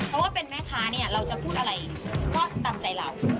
เพราะว่าเป็นแม่ค้าเนี่ยเราจะพูดอะไรก็ตามใจเรา